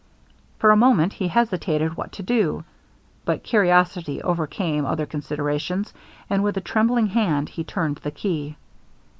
For a moment he hesitated what to do; but curiosity overcame other considerations, and with a trembling hand he turned the key.